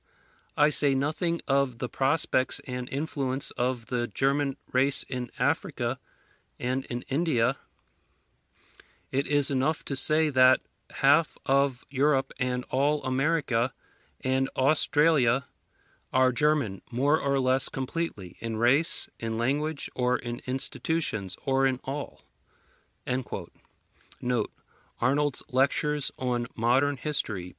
I say nothing of the prospects and influence of the German race in Africa and in India: it is enough to say that half of Europe, and all America and Australia, are German, more or less completely, in race, in language, or in institutions, or in all." [Arnold's Lectures on Modern History, p.